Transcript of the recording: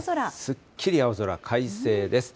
すっきり青空、快晴です。